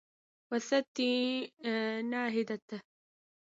وثدي ناهدات